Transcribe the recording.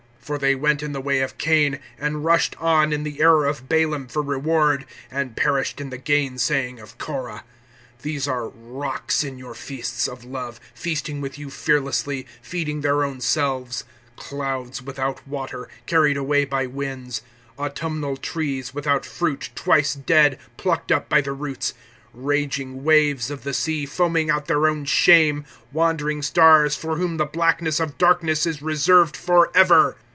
For they went in the way of Cain, and rushed on in the error of Balaam for reward, and perished in the gainsaying of Korah. (12)These are rocks in your feasts of love, feasting with you fearlessly, feeding their own selves; clouds without water, carried away by winds; autumnal trees, without fruit, twice dead, plucked up by the roots; (13)raging waves of the sea, foaming out their own shame; wandering stars, for whom the blackness of darkness is reserved forever.